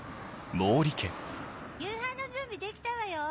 夕飯の準備できたわよ。